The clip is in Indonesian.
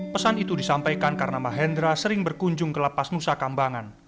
pesan itu disampaikan karena mahendra sering berkunjung ke lapas nusa kambangan